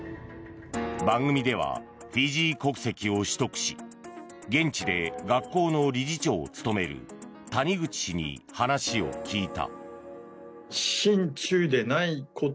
番組では、フィジー国籍を取得し現地で学校の理事長を務める谷口氏に話を聞いた。